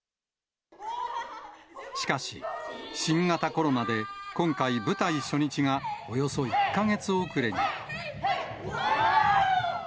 しかし、新型コロナで今回、舞台初日がおよそ１か月遅れに。